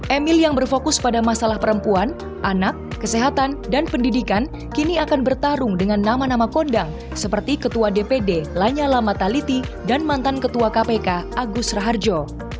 emil yang berfokus pada masalah perempuan anak kesehatan dan pendidikan kini akan bertarung dengan nama nama kondang seperti ketua dpd lanyala mataliti dan mantan ketua kpk agus raharjo